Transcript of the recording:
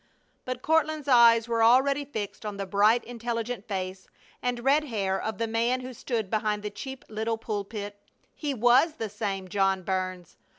But Courtland's eyes were already fixed on the bright, intelligent face and red hair of the man who stood behind the cheap little pulpit. He was the same John Burns!